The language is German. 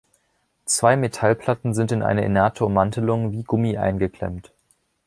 Zwei Metallplatten sind in eine inerte Ummantelung wie Gummi eingeklemmt.